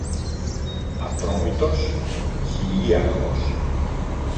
Ατρόμητος, χιλίαρχος